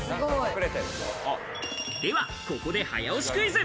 ではここで早押しクイズ。